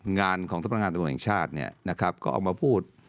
งานของพนักงานตัวเองชาตินะครับก็เอามาพูด